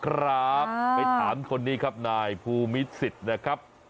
ครับไปถามคนนี้ครับนายภูมิสิทธิ์นะครับ